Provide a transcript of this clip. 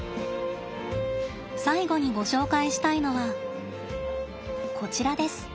最後にご紹介したいのはこちらです。